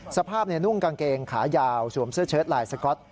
สภาพนุ่งกางเกงขายาวสวมเสื้อเชิดลายสก๊อต